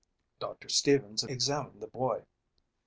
Doctor Stevens examined the boy.